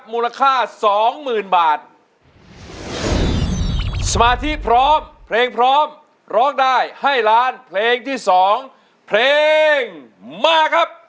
มูลค่าสองหมื่นบาทสมาธิพร้อมเพลงพร้อมร้องได้ให้ล้านเพลงที่สองเพลงมาครับ